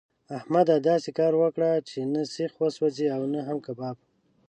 احمده! داسې کار وکړه چې نه سيخ وسوځي او نه هم کباب.